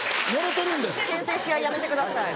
けん制し合いやめてください。